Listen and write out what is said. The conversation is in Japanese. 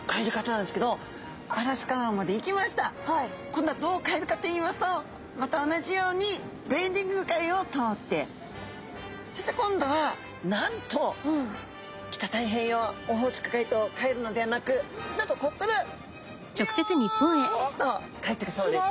今度はどう帰るかといいますとまた同じようにベーリング海を通ってそして今度はなんと北太平洋オホーツク海と帰るのではなくなんとこっからビヨンと帰ってくそうです。